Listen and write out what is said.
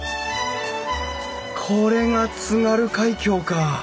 これが津軽海峡か！